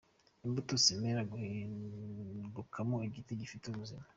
Imbuto zemera guhindukamo igiti gifite ubuzima.